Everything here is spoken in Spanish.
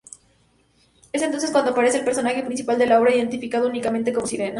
Es entonces cuando aparece el personaje principal de la obra, identificado únicamente como "Sirena".